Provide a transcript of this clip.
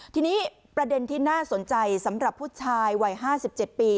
ทีนี้ประเด็นที่น่าสนใจสำหรับผู้ชายวัย๕๗ปี